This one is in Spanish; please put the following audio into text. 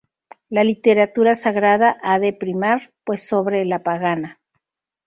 La literatura sagrada ha de primar, pues, sobre la pagana.